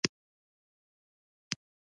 آیا کانټینرونه په بندرونو کې دریږي؟